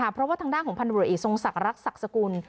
เพราะว่าทางด้านของพันธุรกิจทรงศักดิ์ศักดิ์สกุล